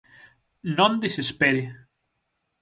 Non desespere.